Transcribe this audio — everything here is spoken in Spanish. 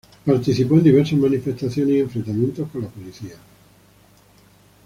Participó en diversas manifestaciones y enfrentamientos con la policía.